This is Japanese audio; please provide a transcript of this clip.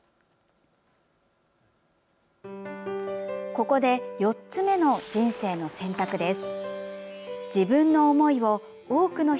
ここで４つ目の人生の選択です。